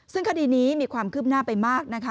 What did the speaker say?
ซึ่งคดีนี้มีความคืบหน้าไปมากนะคะ